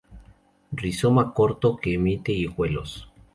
Rizoma corto, que emite hijuelos.